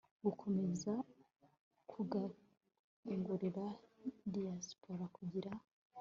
gukomeza gukangurira diaspora kugira